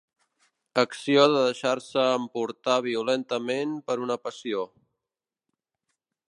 Acció de deixar-se emportar violentament per una passió.